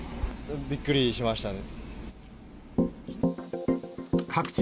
びっくりしましたね。